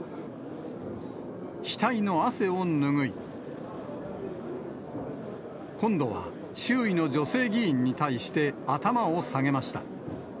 額の汗を拭い、今度は、周囲の女性議員に対して頭を下げました。